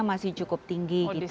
emosi cukup tinggi gitu